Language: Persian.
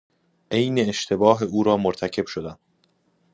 عین اشتباه او را مرتکب شدم.